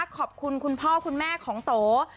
ขอบคุณคุณพ่อคุณแม่ของโต